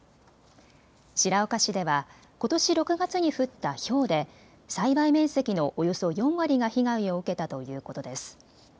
白岡市では、ことし６月に降ったひょうで栽培面積のおよそ４割が被害を受けたということです。